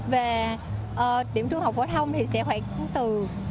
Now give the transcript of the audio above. và điểm trường học phổ thông thì sẽ khoảng từ một mươi một mươi năm